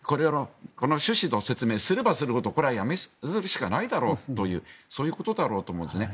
この趣旨の説明をすればするほどこれは辞めさせるしかないだろうというそういうことだろうと思いますね。